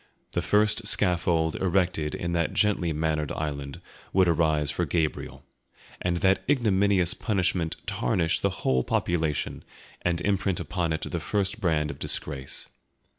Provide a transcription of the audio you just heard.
The first scaffold erected in that gently mannered island would arise for Gabriel, and that ignominious punishment tarnish the whole population and imprint upon it the first brand of disgrace.